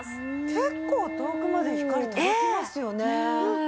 結構遠くまで光届きますよね。